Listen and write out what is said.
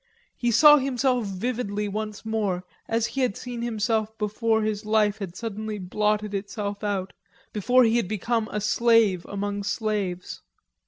He saw himself vividly once more as he had seen himself before his life had suddenly blotted itself out, before he had become a slave among slaves.